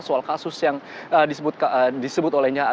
soal kasus yang disebut olehnya